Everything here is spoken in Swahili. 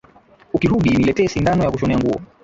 Ukirudi niletee sindano ya kushonea nguo